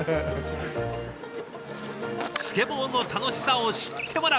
スケボーの楽しさを知ってもらう。